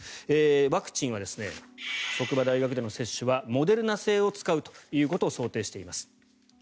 ワクチンは職場・大学での接種はモデルナ製を使うことを想定しています。